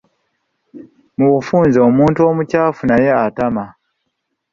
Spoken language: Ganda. Mu bufunze omuntu omucaafu naye atama.